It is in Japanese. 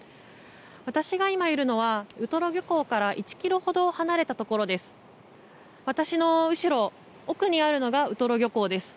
私が今いるのはウトロ漁港から１ｋｍほど離れたところです。